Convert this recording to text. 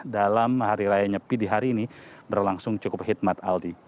dalam hari raya nyepi di hari ini berlangsung cukup khidmat aldi